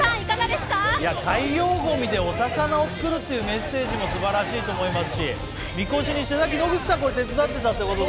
海洋ごみでお魚を作るというメッセージもすばらしいと思いますし、神輿を野口さん、さっき手伝っていたということで。